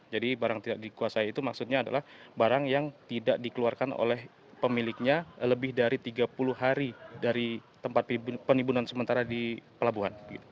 jadi barang tidak dikuasai itu maksudnya adalah barang yang tidak dikeluarkan oleh pemiliknya lebih dari tiga puluh hari dari tempat penimbunan sementara di pelabuhan